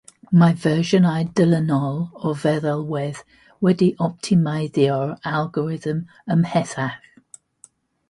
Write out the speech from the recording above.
Mae fersiynau dilynol o'r feddalwedd wedi optimeiddio'r algorithm ymhellach.